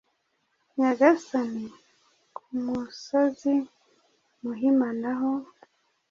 Nyagasani kumusozi muzima na Ho